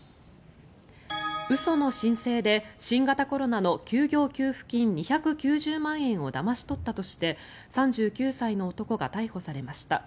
嘘の申請で新型コロナの休業給付金２９０万円をだまし取ったとして３９歳の男が逮捕されました。